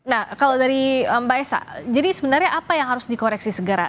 nah kalau dari mbak esa jadi sebenarnya apa yang harus dikoreksi segera